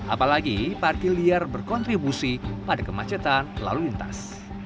apalagi parkir liar berkontribusi pada kemacetan lalu lintas